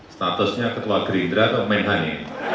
statusnya ketua gerindra atau menhani